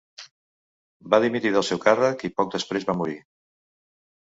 Va dimitir del seu càrrec i poc després va morir.